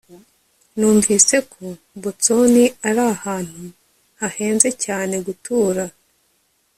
numvise ko boston ari ahantu hahenze cyane gutura